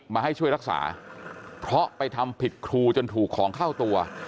มาให้ช่วยรักษาเพราะไปทำผิดครูจนถูกของเข้าตัว